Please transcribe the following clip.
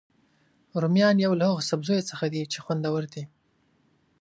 رومیان یو له هغوسبزیو څخه دي چې خوندور دي